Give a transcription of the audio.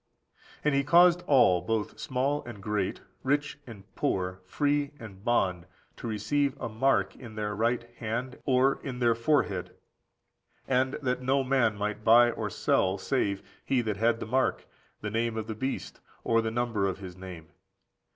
And he caused all, both small and great, rich and poor, free and bond, to receive a mark in their right hand or in their forehead; and that no man might buy or sell, save he that had the mark, the name of the beast, or the number of his name.